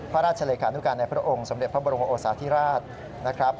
พระราชเฉลยรการุการแหน่งพระองค์สมเด็จพระบรมโอสาธิราช